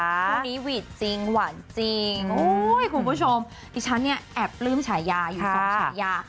คู่นี้หวีดจริงหวานจริงคุณผู้ชมดิฉันเนี่ยแอบปลื้มฉายาอยู่สองฉายา